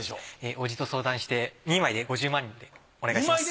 伯父と相談して２枚で５０万円でお願いします。